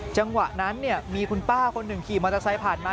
จังหวะนั้นมีคุณป้าคนหนึ่งขี่มอเตอร์ไซค์ผ่านมา